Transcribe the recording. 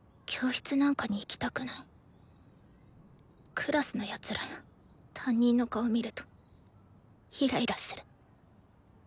クラスの奴らや担任の顔見るとイライラする。